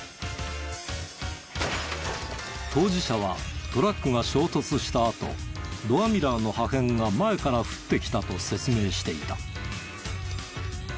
当事者はトラックが衝突したあとドアミラーの破片が前から降ってきたと説明していた。